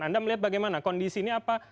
anda melihat bagaimana kondisi ini apa